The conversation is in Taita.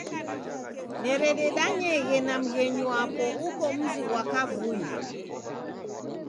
Nerededanyeghe na mghenyu wapo uko mzi ghwa kavui.